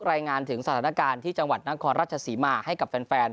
รายงานถึงสถานการณ์ที่จังหวัดนครราชศรีมาให้กับแฟน